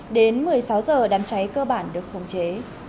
đến một mươi sáu giờ đám cháy cơ bản được khống chế